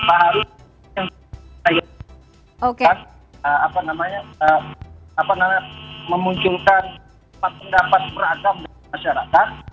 pak haruna yang memunculkan pendapat beragam dari masyarakat